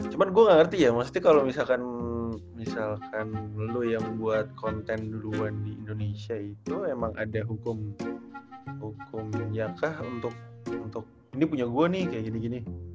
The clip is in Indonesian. cuma gue gak ngerti ya maksudnya kalau misalkan lo yang buat konten duluan di indonesia itu emang ada hukum ya kah untuk ini punya gue nih kayak gini gini